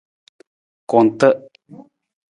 Kunta.